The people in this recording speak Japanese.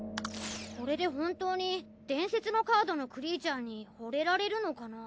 これで本当に伝説のカードのクリーチャーに惚れられるのかな？